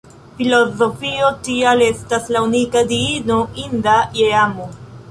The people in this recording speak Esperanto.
Filozofio tial estas la unika Diino inda je amo.